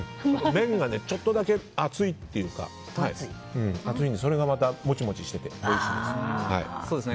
麺がちょっとだけ厚いというかそれがまたモチモチしてておいしいです。